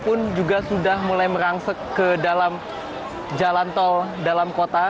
pun juga sudah mulai merangsek ke dalam jalan tol dalam kota